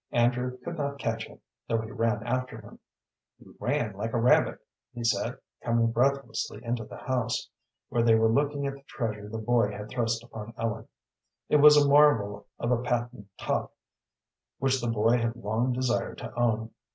Andrew could not catch him, though he ran after him. "He ran like a rabbit," he said, coming breathlessly into the house, where they were looking at the treasure the boy had thrust upon Ellen. It was a marvel of a patent top, which the boy had long desired to own.